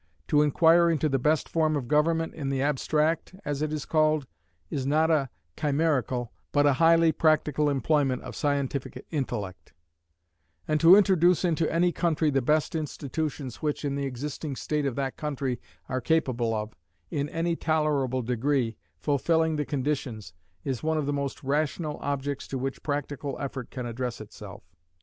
To inquire into the best form of government in the abstract (as it is called) is not a chimerical, but a highly practical employment of scientific intellect; and to introduce into any country the best institutions which, in the existing state of that country, are capable of, in any tolerable degree, fulfilling the conditions, is one of the most rational objects to which practical effort can address itself.